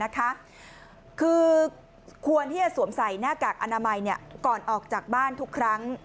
คือควรที่จะสวมใส่หน้ากากอนามัยก่อนออกจากบ้านทุกครั้ง